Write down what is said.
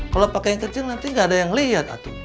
kalau pakai yang kecil nanti nggak ada yang lihat